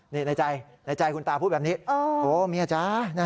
นี่ในใจในใจคุณตาพูดแบบนี้โอ้เมียจ๊ะ